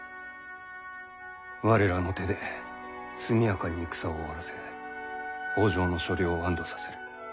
我らの手で速やかに戦を終わらせ北条の所領を安堵させる。